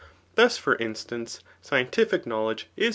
Thus, for instance, scientific knowledge is